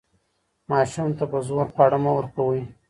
ماشوم ته په زور خواړه مه ورکوئ.